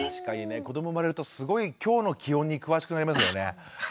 子ども生まれるとすごい今日の気温に詳しくなりますよね。